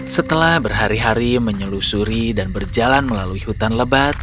setelah berhari hari menyelusuri dan berjalan melalui hutan lebat